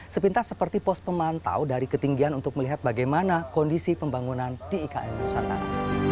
sepintas seperti pos pemantau dari ketinggian untuk melihat bagaimana kondisi pembangunan di ikn nusantara